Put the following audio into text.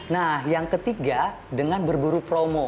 nah yang ketiga dengan berburu promo